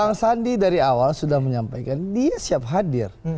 bang sandi dari awal sudah menyampaikan dia siap hadir